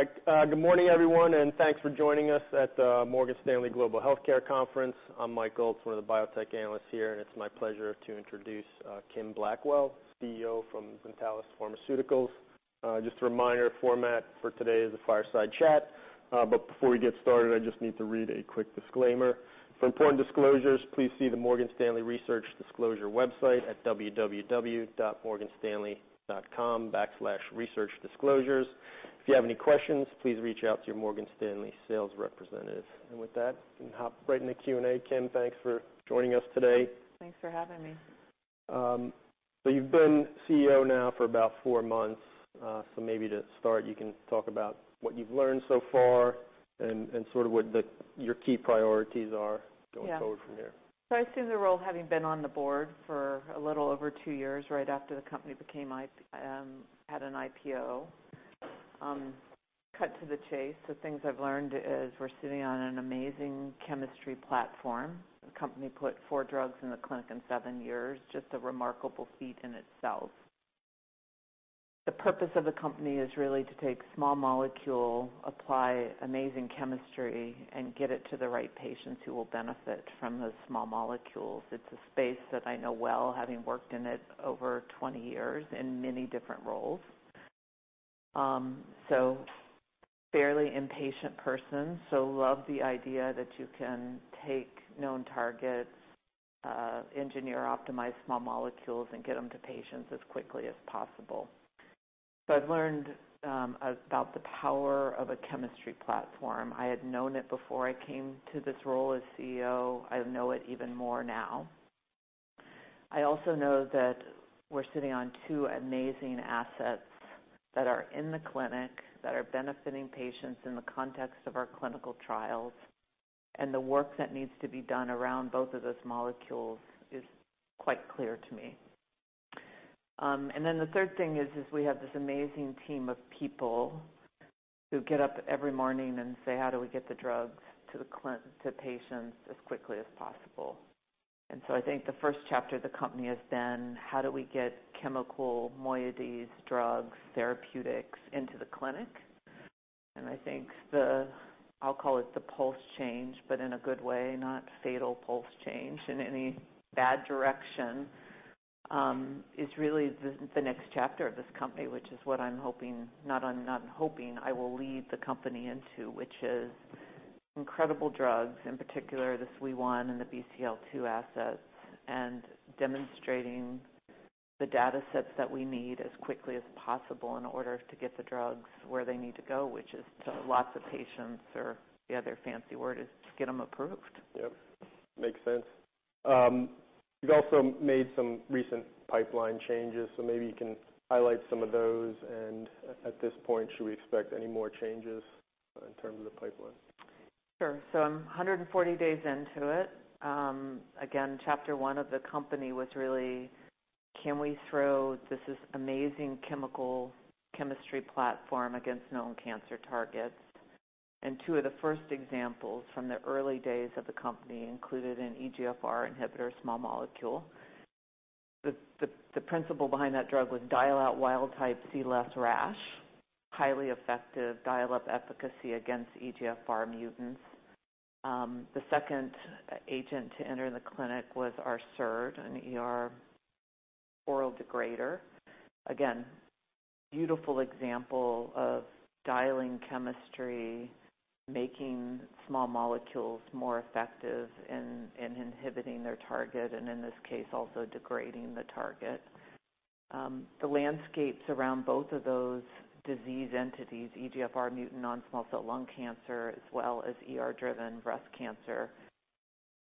All right. Good morning everyone, and thanks for joining us at the Morgan Stanley Global Healthcare Conference. I'm Mike Ulz, one of the biotech analysts here, and it's my pleasure to introduce Kim Blackwell, CEO from Zentalis Pharmaceuticals. Just a reminder, format for today is a fireside chat. But before we get started, I just need to read a quick disclaimer. For important disclosures, please see the Morgan Stanley Research Disclosure website at www.morganstanley.com/researchdisclosures. If you have any questions, please reach out to your Morgan Stanley sales representative. With that, we can hop right into Q&A. Kim, thanks for joining us today. Thanks for having me. You've been CEO now for about four months. Maybe to start, you can talk about what you've learned so far and sort of what your key priorities are. Yeah. Going forward from here. I see the role having been on the board for a little over two years, right after the company had an IPO. Cut to the chase, the things I've learned is we're sitting on an amazing chemistry platform. The company put four drugs in the clinic in seven years, just a remarkable feat in itself. The purpose of the company is really to take small molecule, apply amazing chemistry, and get it to the right patients who will benefit from those small molecules. It's a space that I know well, having worked in it over 20 years in many different roles. Fairly impatient person, so love the idea that you can take known targets, engineer optimize small molecules, and get them to patients as quickly as possible. I've learned about the power of a chemistry platform. I had known it before I came to this role as CEO. I know it even more now. I also know that we're sitting on two amazing assets that are in the clinic, that are benefiting patients in the context of our clinical trials, and the work that needs to be done around both of those molecules is quite clear to me. And then the third thing is we have this amazing team of people who get up every morning and say, "How do we get the drugs to patients as quickly as possible?" I think the first chapter of the company has been how do we get chemical moieties, drugs, therapeutics into the clinic. I think the, I'll call it the pulse change, but in a good way, not fatal pulse change in any bad direction, is really the next chapter of this company, which I will lead the company into, which is incredible drugs, in particular the WEE1 and the BCL-2 assets, and demonstrating the data sets that we need as quickly as possible in order to get the drugs where they need to go, which is to lots of patients or the other fancy word is to get them approved. Yep. Makes sense. You've also made some recent pipeline changes, so maybe you can highlight some of those. At this point, should we expect any more changes in terms of the pipeline? Sure. I'm 140 days into it. Again, chapter one of the company was really, can we throw this amazing chemistry platform against known cancer targets. Two of the first examples from the early days of the company included an EGFR inhibitor small molecule. The principle behind that drug was dial out wild-type CL rash, highly effective dial-up efficacy against EGFR mutants. The second agent to enter the clinic was our SERD, an ER oral degrader. Again, beautiful example of dialing chemistry, making small molecules more effective in inhibiting their target, and in this case, also degrading the target. The landscapes around both of those disease entities, EGFR mutant non-small cell lung cancer, as well as ER-driven breast cancer,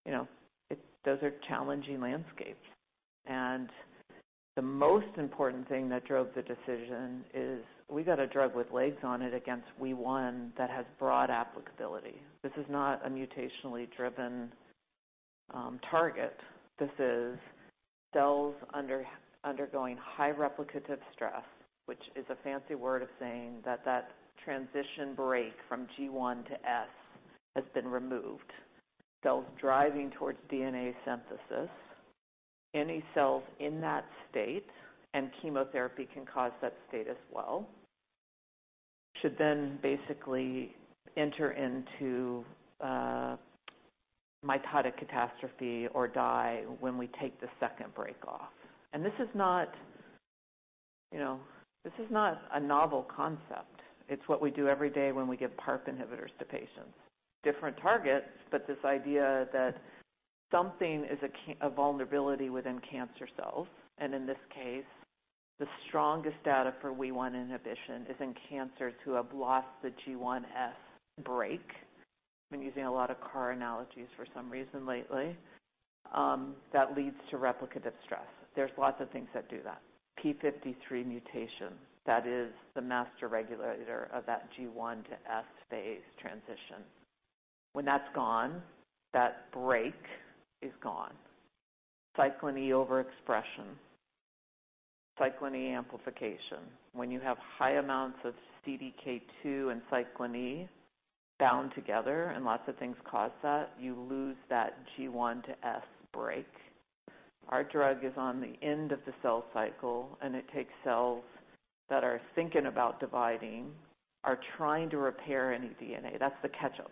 you know, those are challenging landscapes. The most important thing that drove the decision is we got a drug with legs on it against WEE1 that has broad applicability. This is not a mutationally driven target. This is cells undergoing high replicative stress, which is a fancy way of saying that transition break from G1 to S has been removed. Cells driving towards DNA synthesis. Any cells in that state, and chemotherapy can cause that state as well, should then basically enter into a mitotic catastrophe or die when we take the second break off. This is not a novel concept. It's what we do every day when we give PARP inhibitors to patients. Different targets. This idea that something is a vulnerability within cancer cells, and in this case, the strongest data for WEE1 inhibition is in cancers who have lost the G1S break. I've been using a lot of car analogies for some reason lately. That leads to replicative stress. There's lots of things that do that. P53 mutation, that is the master regulator of that G1 to S phase transition. When that's gone, that break is gone. Cyclin E1 overexpression. Cyclin E1 amplification. When you have high amounts of CDK2 and Cyclin E bound together, and lots of things cause that, you lose that G1 to S break. Our drug is on the end of the cell cycle, and it takes cells that are thinking about dividing, are trying to repair any DNA. That's the catch-up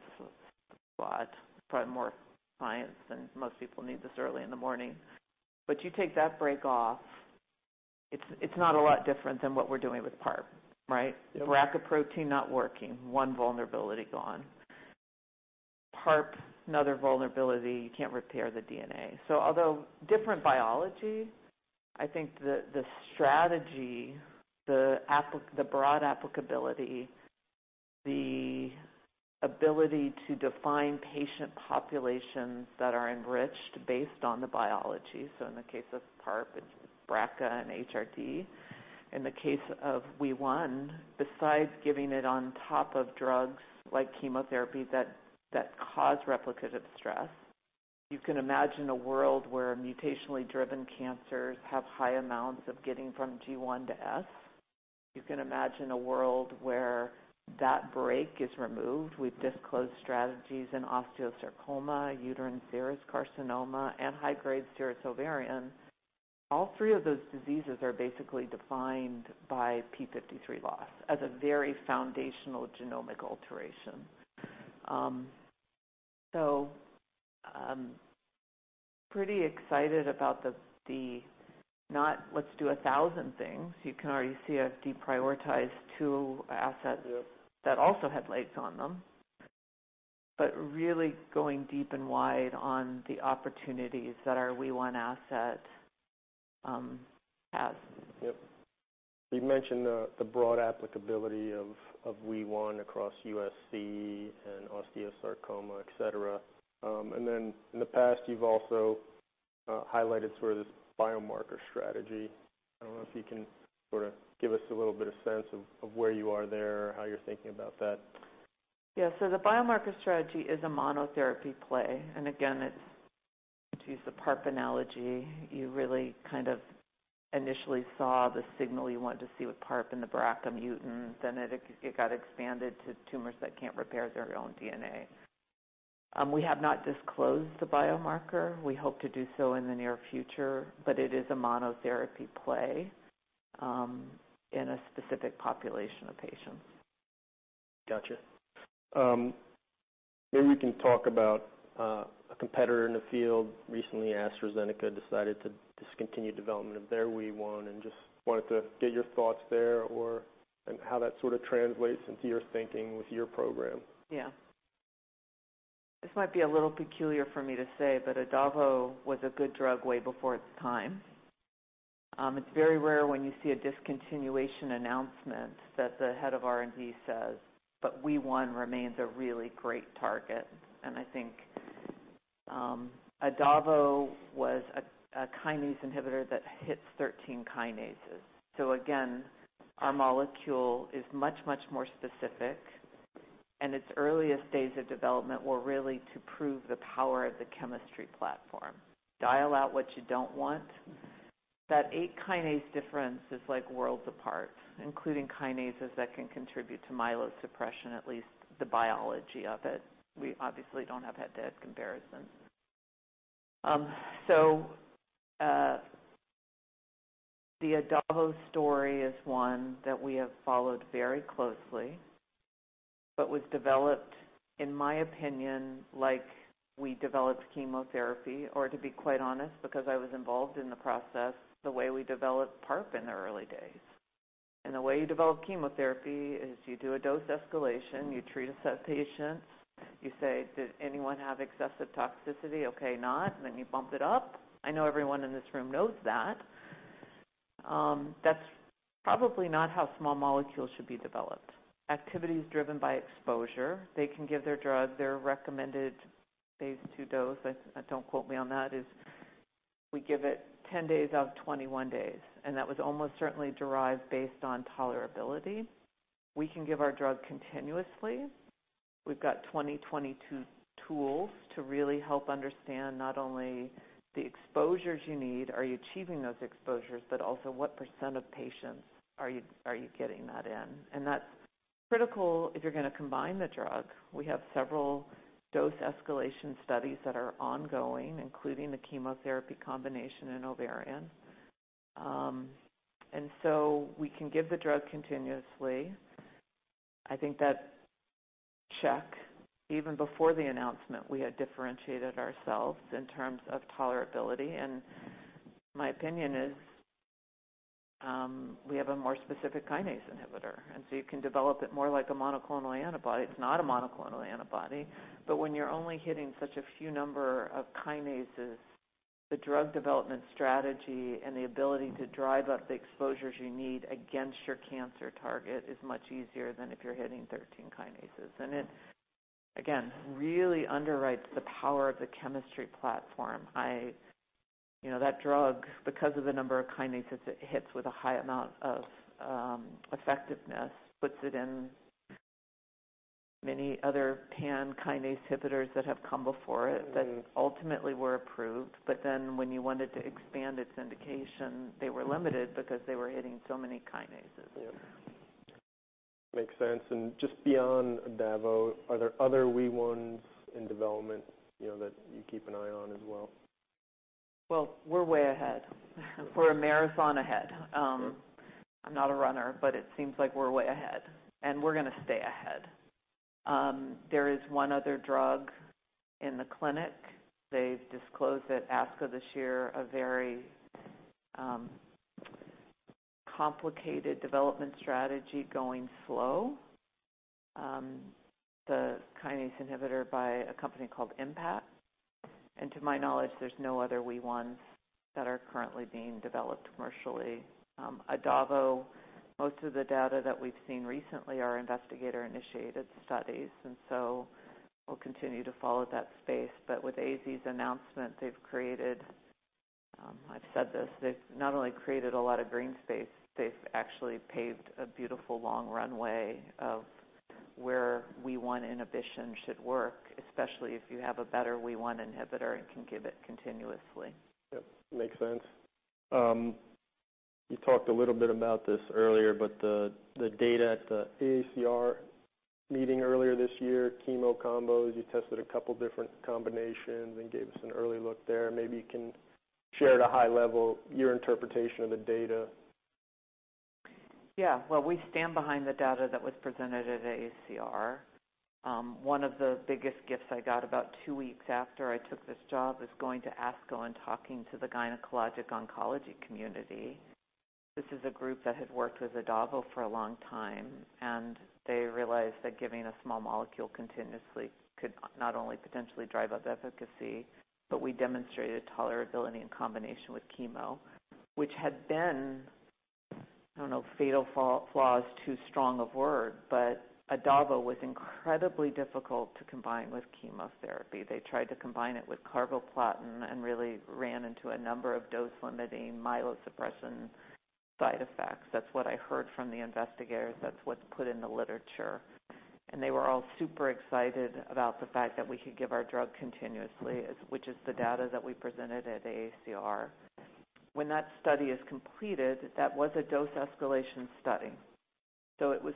spot. Probably more science than most people need this early in the morning. You take that break off, it's not a lot different than what we're doing with PARP, right? Yep. BRCA protein not working, one vulnerability gone. PARP, another vulnerability. You can't repair the DNA. Although different biology, I think the strategy, the broad applicability, the ability to define patient populations that are enriched based on the biology. In the case of PARP, it's BRCA and HRD. In the case of WEE1, besides giving it on top of drugs like chemotherapy that cause replicative stress, you can imagine a world where mutationally driven cancers have high amounts of getting from G1 to S. You can imagine a world where that break is removed. We've disclosed strategies in osteosarcoma, uterine serous carcinoma, and high-grade serous ovarian. All three of those diseases are basically defined by P53 loss as a very foundational genomic alteration. Pretty excited about the not let's do a thousand things. You can already see I've deprioritized two assets. Yep. That also had lights on them. Really going deep and wide on the opportunities that our WEE1 asset has. Yep. You mentioned the broad applicability of WEE1 across USC and osteosarcoma, et cetera. Then in the past, you've also highlighted sort of this biomarker strategy. I don't know if you can sort of give us a little bit of sense of where you are there or how you're thinking about that. Yeah. The biomarker strategy is a monotherapy play, and again, it's to use the PARP analogy. You really kind of initially saw the signal you wanted to see with PARP in the BRCA mutant. Then it got expanded to tumors that can't repair their own DNA. We have not disclosed the biomarker. We hope to do so in the near future, but it is a monotherapy play in a specific population of patients. Gotcha. Maybe we can talk about a competitor in the field. Recently, AstraZeneca decided to discontinue development of their WEE1 and just wanted to get your thoughts there, and how that sort of translates into your thinking with your program. Yeah. This might be a little peculiar for me to say, but Adavo was a good drug way before its time. It's very rare when you see a discontinuation announcement that the head of R&D says, "But WEE1 remains a really great target." I think Adavo was a kinase inhibitor that hits 13 kinases. Again, our molecule is much, much more specific, and its earliest days of development were really to prove the power of the chemistry platform. Dial out what you don't want. That eight kinase difference is like worlds apart, including kinases that can contribute to myelosuppression, at least the biology of it. We obviously don't have head-to-head comparisons. The Adavo story is one that we have followed very closely but was developed, in my opinion, like we developed chemotherapy or to be quite honest, because I was involved in the process, the way we developed PARP in the early days. The way you develop chemotherapy is you do a dose escalation, you treat a set of patients. You say, "Did anyone have excessive toxicity? Okay. Not." Then you bump it up. I know everyone in this room knows that. That's probably not how small molecules should be developed. Activity is driven by exposure. They can give their drug their recommended phase II dose. I don't quote me on that, is we give it 10 days out of 21 days, and that was almost certainly derived based on tolerability. We can give our drug continuously. We've got 2022 tools to really help understand not only the exposures you need, are you achieving those exposures, but also what percent of patients are you getting that in? That's critical if you're gonna combine the drug. We have several dose escalation studies that are ongoing, including the chemotherapy combination in ovarian. We can give the drug continuously. I think that CHEK1, even before the announcement, we had differentiated ourselves in terms of tolerability, and my opinion is, we have a more specific kinase inhibitor. You can develop it more like a monoclonal antibody. It's not a monoclonal antibody, but when you're only hitting such a few number of kinases, the drug development strategy and the ability to drive up the exposures you need against your cancer target is much easier than if you're hitting 13 kinases. It, again, really underwrites the power of the chemistry platform. You know, that drug, because of the number of kinases it hits with a high amount of effectiveness, puts it in many other pan kinase inhibitors that have come before it. Mm-hmm. That ultimately were approved, but then when you wanted to expand its indication, they were limited because they were hitting so many kinases. Yeah. Makes sense. Just beyond Adavo, are there other WEE1s in development, you know, that you keep an eye on as well? Well, we're way ahead. We're a marathon ahead. I'm not a runner, but it seems like we're way ahead, and we're gonna stay ahead. There is one other drug in the clinic. They've disclosed at ASCO this year a very, complicated development strategy going slow. The kinase inhibitor by a company called Impact. To my knowledge, there's no other WEE1s that are currently being developed commercially. Adavo, most of the data that we've seen recently are investigator-initiated studies, and so we'll continue to follow that space. With AZ's announcement, they've created. I've said this, they've not only created a lot of green space, they've actually paved a beautiful long runway of where WEE1 inhibition should work, especially if you have a better WEE1 inhibitor and can give it continuously. Yep, makes sense. You talked a little bit about this earlier, but the data at the AACR meeting earlier this year, chemo combos, you tested a couple different combinations and gave us an early look there. Maybe you can share at a high level your interpretation of the data. Yeah. Well, we stand behind the data that was presented at AACR. One of the biggest gifts I got about two weeks after I took this job is going to ASCO and talking to the gynecologic oncology community. This is a group that had worked with Adavo for a long time, and they realized that giving a small molecule continuously could not only potentially drive up efficacy, but we demonstrated tolerability in combination with chemo, which had been, I don't know, fatal flaw is too strong a word, but Adavo was incredibly difficult to combine with chemotherapy. They tried to combine it with carboplatin and really ran into a number of dose-limiting myelosuppression side effects. That's what I heard from the investigators. That's what's put in the literature. They were all super excited about the fact that we could give our drug continuously, which is the data that we presented at AACR. When that study is completed, that was a dose escalation study. It is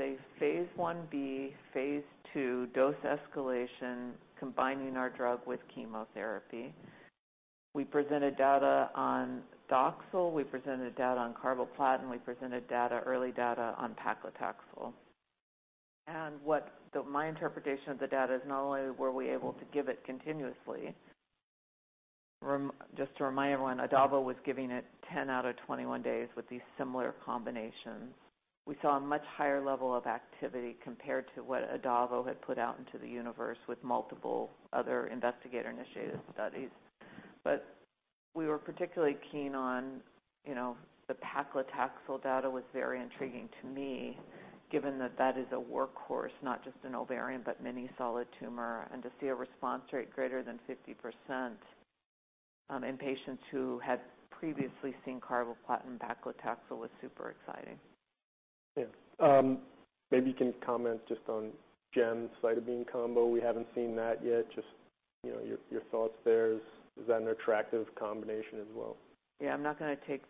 a phase 1b, phase II dose escalation combining our drug with chemotherapy. We presented data on Doxil, we presented data on carboplatin, we presented data, early data on paclitaxel. My interpretation of the data is not only were we able to give it continuously. Just to remind everyone, Adavo was giving it 10 out of 21 days with these similar combinations. We saw a much higher level of activity compared to what Adavo had put out into the universe with multiple other investigator-initiated studies. We were particularly keen on, you know, the paclitaxel data was very intriguing to me, given that that is a workhorse, not just an ovarian, but many solid tumor. To see a response rate greater than 50%, in patients who had previously seen carboplatin/paclitaxel was super exciting. Yeah. Maybe you can comment just on gemcitabine combo. We haven't seen that yet. Just, you know, your thoughts there. Is that an attractive combination as well? Yeah, I'm not gonna take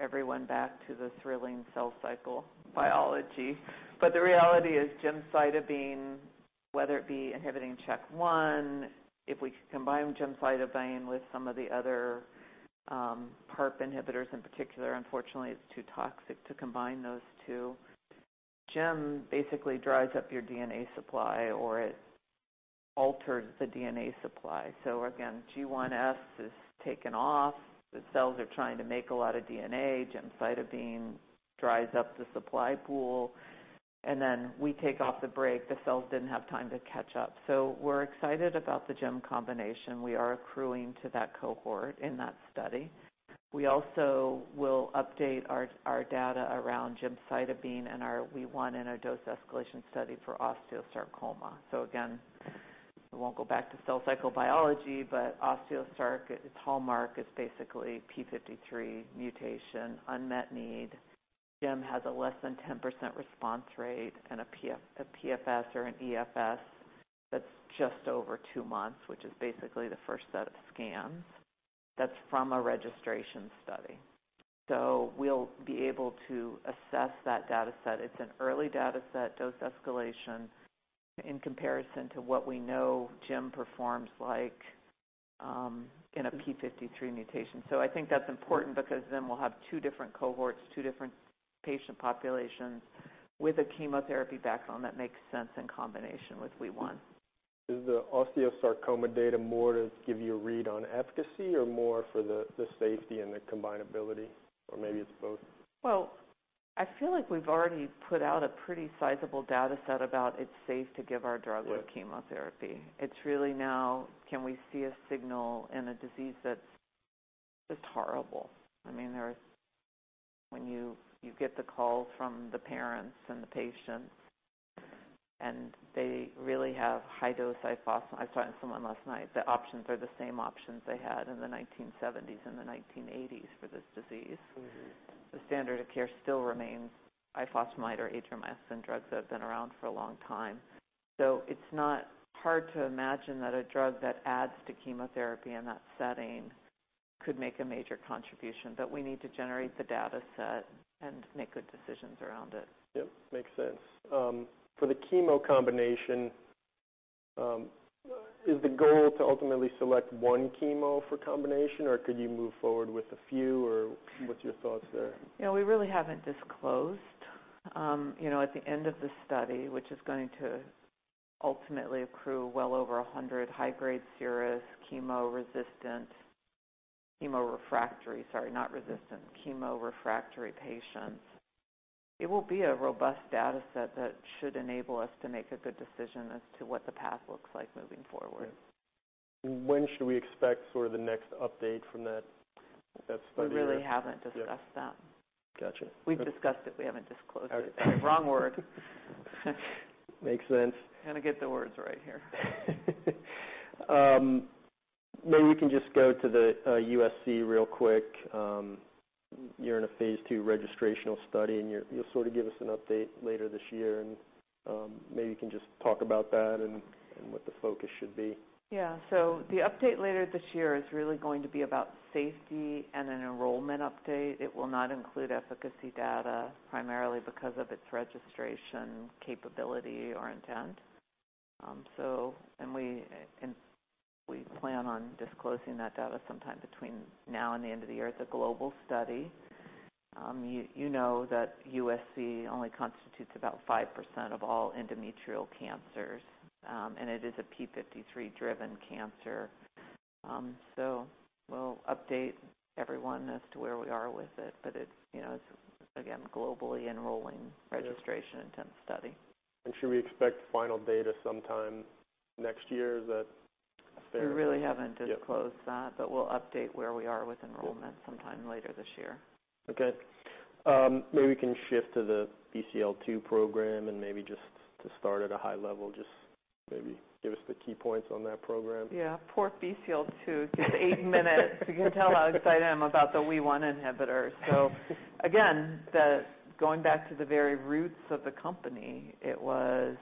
everyone back to the thrilling cell cycle biology, but the reality is gemcitabine, whether it be inhibiting CHEK1, if we could combine gemcitabine with some of the other, PARP inhibitors in particular. Unfortunately, it's too toxic to combine those two. Gem basically dries up your DNA supply, or it alters the DNA supply. So again, G1S is taken off. The cells are trying to make a lot of DNA. Gemcitabine dries up the supply pool, and then we take off the brake. The cells didn't have time to catch up. So we're excited about the gem combination. We are accruing to that cohort in that study. We also will update our data around gemcitabine and our WEE1 in our dose escalation study for osteosarcoma. Again, I won't go back to cell cycle biology, but osteosarcoma, its hallmark is basically P53 mutation, unmet need. Gem has a less than 10% response rate and a PFS or an EFS that's just over two months, which is basically the first set of scans. That's from a registration study. We'll be able to assess that data set. It's an early data set, dose escalation in comparison to what we know gem performs like in a P53 mutation. I think that's important because then we'll have two different cohorts, two different patient populations with a chemotherapy backbone that makes sense in combination with WEE1. Is the osteosarcoma data more to give you a read on efficacy or more for the safety and the combinability, or maybe it's both? Well, I feel like we've already put out a pretty sizable data set about it's safe to give our drug. Yeah With chemotherapy. It's really now, can we see a signal in a disease that's just horrible. I mean, when you get the call from the parents and the patients, and they really have high-dose ifos. I was talking to someone last night. The options are the same options they had in the 1970s and the 1980s for this disease. Mm-hmm. The standard of care still remains ifosfamide or HMAs drugs that have been around for a long time. It's not hard to imagine that a drug that adds to chemotherapy in that setting could make a major contribution, but we need to generate the data set and make good decisions around it. Yep, makes sense. For the chemo combination, is the goal to ultimately select one chemo for combination, or could you move forward with a few, or what's your thoughts there? You know, we really haven't disclosed. You know, at the end of the study, which is going to ultimately accrue well over 100 high-grade serous chemo-refractory patients, it will be a robust data set that should enable us to make a good decision as to what the path looks like moving forward. Okay. When should we expect sort of the next update from that study? We really haven't discussed that. Yeah. Gotcha. We've discussed it, we haven't disclosed it. All right. Wrong word. Makes sense. Gotta get the words right here. Maybe we can just go to the USC real quick. You're in a phase II registrational study, and you'll sort of give us an update later this year. Maybe you can just talk about that and what the focus should be. Yeah. The update later this year is really going to be about safety and an enrollment update. It will not include efficacy data, primarily because of its registration capability or intent. We plan on disclosing that data sometime between now and the end of the year. It's a global study. You know that USC only constitutes about 5% of all endometrial cancers. It is a P53-driven cancer. We'll update everyone as to where we are with it. It's, you know, again, globally enrolling. Yeah Registration intent study. Should we expect final data sometime next year? Is that a fair- We really haven't disclosed that. Yeah. We'll update where we are with enrollment. Yeah Sometime later this year. Okay. Maybe we can shift to the BCL-2 program and maybe just to start at a high level, just maybe give us the key points on that program. Yeah. Poor BCL-2. Just eight minutes. You can tell how excited I am about the WEE1 inhibitor. Again, going back to the very roots of the company, it was,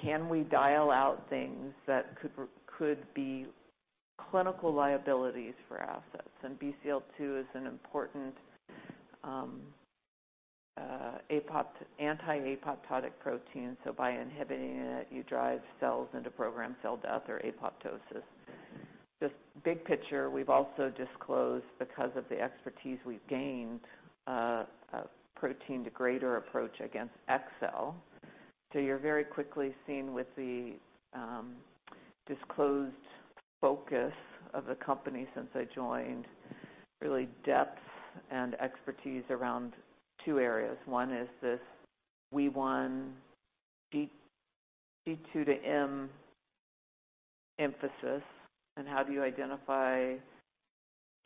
can we dial out things that could be clinical liabilities for assets? BCL-2 is an important anti-apoptotic protein. By inhibiting it, you drive cells into programmed cell death or apoptosis. Just big picture, we've also disclosed, because of the expertise we've gained, a protein degrader approach against XL. You're very quickly seeing with the disclosed focus of the company since I joined, really depth and expertise around two areas. One is this WEE1, G2/M emphasis and how do you identify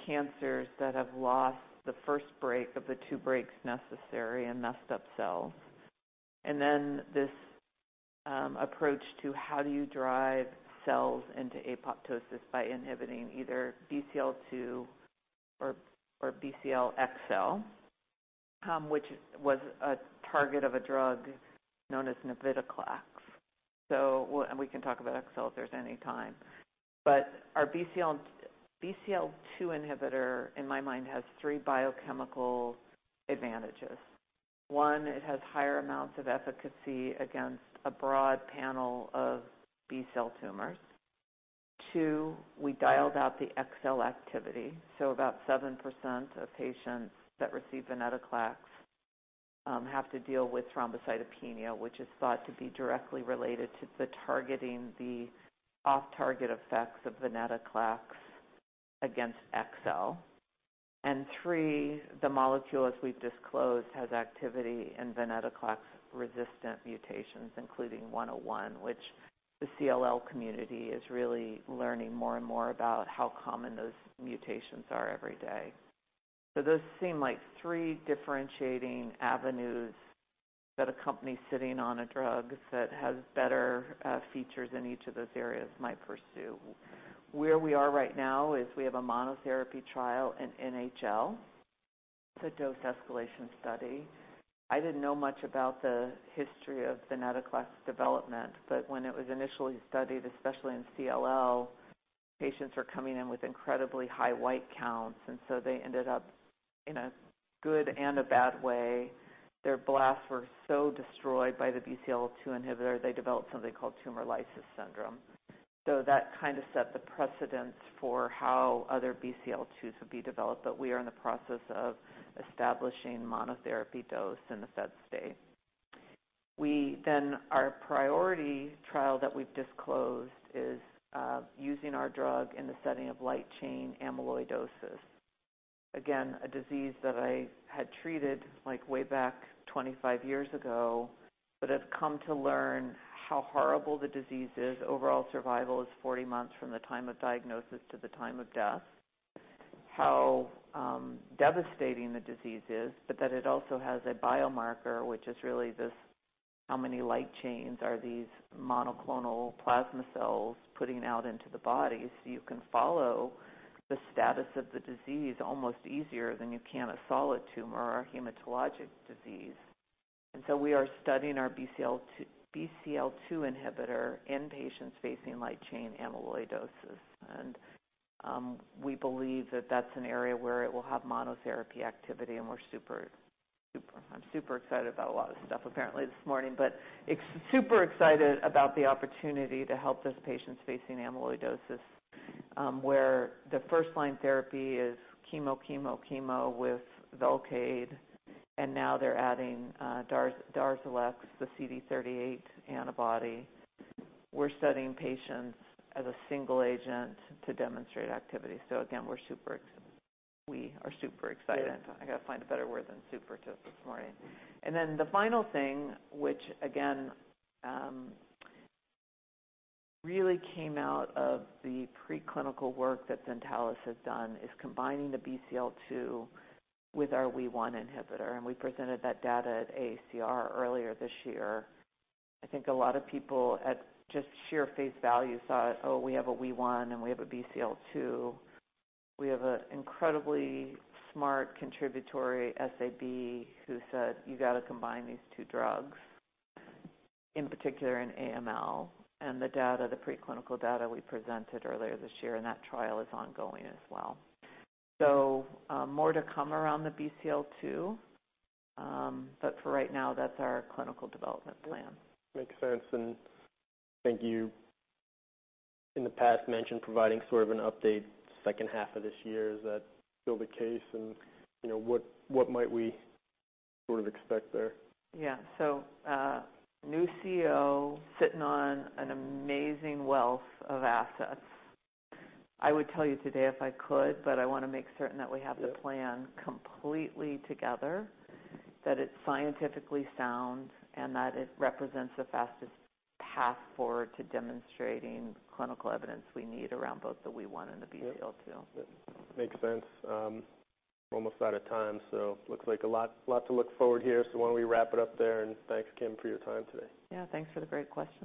cancers that have lost the first break of the two breaks necessary in messed up cells. This approach to how do you drive cells into apoptosis by inhibiting either BCL-2 or BCL-XL, which was a target of a drug known as Venetoclax. We can talk about XLs at any time. Our BCL-2 inhibitor, in my mind, has three biochemical advantages. One, it has higher amounts of efficacy against a broad panel of B-cell tumors. Two, we dialed out the XL activity. About 7% of patients that receive venetoclax have to deal with thrombocytopenia, which is thought to be directly related to targeting the off-target effects of venetoclax against XL. Three, the molecule, as we've disclosed, has activity in venetoclax-resistant mutations, including 101, which the CLL community is really learning more and more about how common those mutations are every day. Those seem like three differentiating avenues that a company sitting on a drug that has better features in each of those areas might pursue. Where we are right now is we have a monotherapy trial in NHL. It's a dose escalation study. I didn't know much about the history of venetoclax development, but when it was initially studied, especially in CLL, patients were coming in with incredibly high white counts, and so they ended up in a good and a bad way. Their blasts were so destroyed by the BCL-2 inhibitor, they developed something called tumor lysis syndrome. That kind of set the precedent for how other BCL-2s would be developed, but we are in the process of establishing monotherapy dose in the fed state. Our priority trial that we've disclosed is using our drug in the setting of light chain amyloidosis. Again, a disease that I had treated like way back 25 years ago, but have come to learn how horrible the disease is. Overall survival is 40 months from the time of diagnosis to the time of death. How devastating the disease is, but that it also has a biomarker, which is really this, how many light chains are these monoclonal plasma cells putting out into the body, so you can follow the status of the disease almost easier than you can a solid tumor or a hematologic disease. We are studying our BCL-2 inhibitor in patients facing light chain amyloidosis. We believe that that's an area where it will have monotherapy activity, and we're super excited about a lot of stuff apparently this morning. super excited about the opportunity to help those patients facing amyloidosis, where the first-line therapy is chemo with Velcade, and now they're adding Darzalex, the CD38 antibody. We're studying patients as a single agent to demonstrate activity. again, we're super excited. We are super excited. Yeah. I gotta find a better word than super to this morning. Then the final thing, which again, really came out of the preclinical work that Zentalis has done, is combining the BCL-2 with our WEE1 inhibitor, and we presented that data at AACR earlier this year. I think a lot of people at just sheer face value thought, "Oh, we have a WEE1 and we have a BCL-2." We have a incredibly smart contributory SAB who said, "You gotta combine these two drugs, in particular in AML." The data, the preclinical data we presented earlier this year, and that trial is ongoing as well. More to come around the BCL-2. For right now, that's our clinical development plan. Makes sense, and thank you. In the past, mentioned providing sort of an update second half of this year. Is that still the case? You know, what might we sort of expect there? New CEO sitting on an amazing wealth of assets. I would tell you today if I could, but I wanna make certain that we have- Yeah The plan completely together, that it's scientifically sound, and that it represents the fastest path forward to demonstrating clinical evidence we need around both the WEE1 and the BCL-2. Yep. That makes sense. Almost out of time, so looks like a lot to look forward here. Why don't we wrap it up there, and thanks, Kim, for your time today. Yeah, thanks for the great questions.